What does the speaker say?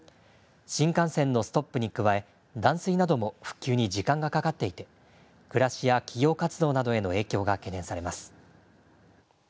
新幹線のストップに加え、断水なども復旧に時間がかかっていて、暮らしや企業活動などへの影響が懸念されます。